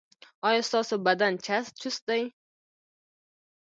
ایا ستاسو بدن چست دی؟